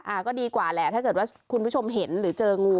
ก็ดีกว่าแหละถ้าเกิดว่าคุณผู้ชมเห็นหรือเจองู